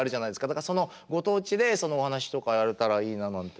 だからそのご当地でそのお話とかやれたらいいななんて。